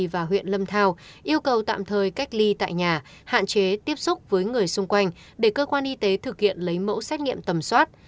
và huyện lâm thao yêu cầu tạm thời cách ly tại nhà hạn chế tiếp xúc với người xung quanh để cơ quan y tế thực hiện lấy mẫu xét nghiệm tầm soát